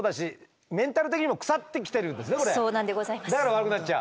だから悪くなっちゃう？